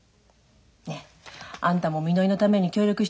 ねえあんたもみのりのために協力してあげてよ？